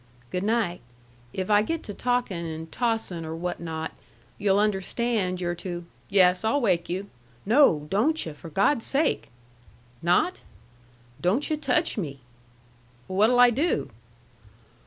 "Good night. If I get to talkin' and tossin', or what not, you'll understand you're to " "Yes, I'll wake you." "No, don't yu', for God's sake!" "Not?" "Don't yu' touch me." "What'll I do?"